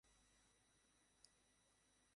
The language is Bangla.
আমি প্রত্যেকের জীবনের একটি অবিচ্ছেদ্য অংশ।